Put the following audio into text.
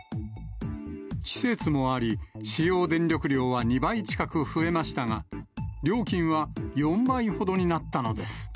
季節もあり、使用電力量は２倍近く増えましたが、料金は４倍ほどになったのです。